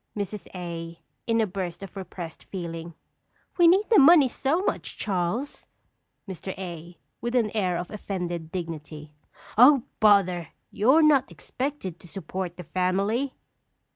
Mrs. A. (in a burst of repressed feeling). We need the money so much, Charles! Mr. A. (with an air of offended dignity). Oh, bother! You are not expected to support the family.